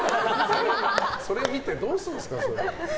それ見てどうするんですか。